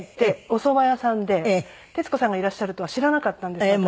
おそば屋さんで徹子さんがいらっしゃるとは知らなかったんです私。